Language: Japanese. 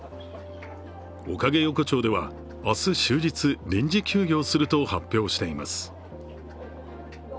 おかげ横丁では明日、終日、臨時休業すると発表しています。